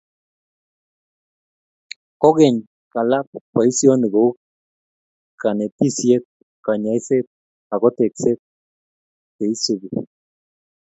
kokeny kalaa boisionik kou knaetisyet, kanyoiseet ako tekseet. Cheisupi